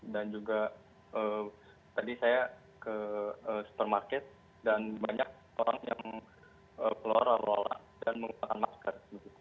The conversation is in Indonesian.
dan juga tadi saya ke supermarket dan banyak orang yang keluar lalu lalu dan menggunakan masker